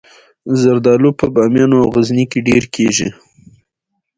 زردالو په بامیان او غزني کې ډیر کیږي